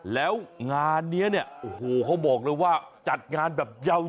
แล้วงานนี้เนี่ยโอ้โหเขาบอกเลยว่าจัดงานแบบยาว